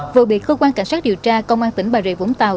vừa bị cơ quan cảnh sát điều tra công an tỉnh bà rịa vũng tàu